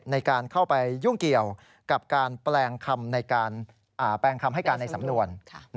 ในการเข้าไปยุ่งเกี่ยวกับการแปลงคำให้การในสำนวน